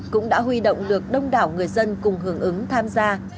cũng đã huy động được đông đảo người dân cùng hưởng ứng tham gia